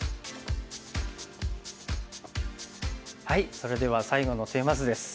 それでは最後のテーマ図です。